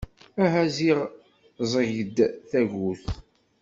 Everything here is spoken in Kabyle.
Aha ziɣ ẓẓeg-d tagut.